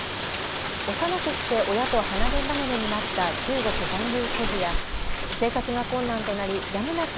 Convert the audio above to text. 幼くして親と離れ離れになった中国残留孤児や生活が困難となりやむなく